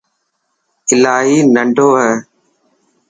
الاهي ننڊو هي.